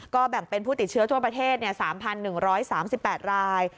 ก็แบ่งเป็นผู้ติดเชื้อทั่วประเทศ๓๑๓๘ราย